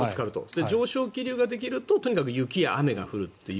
上昇気流ができるととにかく雪や雨が降るという。